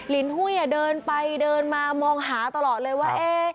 ลินหุ้ยเดินไปเดินมามองหาตลอดเลยว่า